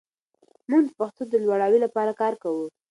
موږ د پښتو د لوړاوي لپاره کار کوو.